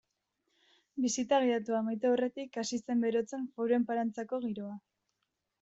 Bisita gidatua amaitu aurretik hasi zen berotzen Foru Enparantzako giroa.